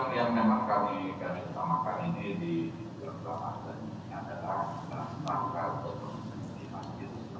tansia kita ada di masjid dari ishak ke talawut sampai suku